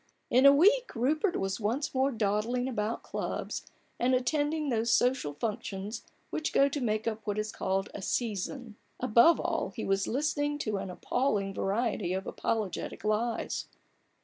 In a week Rupert was once more dawdling about clubs, and attending those social functions which go to make up what is called "a Season." Above all, he was listening to an appalling variety of apologetic lies.